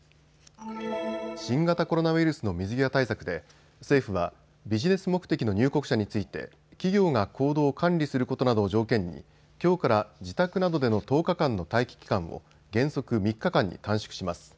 新型コロナウイルスの水際対策で政府はビジネス目的の入国者について企業が行動を管理することなどを条件にきょうから自宅などでの１０日間の待機期間を原則３日間に短縮します。